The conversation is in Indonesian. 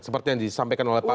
seperti yang disampaikan oleh pak